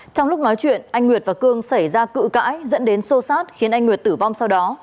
trong lúc nói chuyện anh nguyệt và cương xảy ra cự cãi dẫn đến xô xát khiến anh nguyệt tử vong sau đó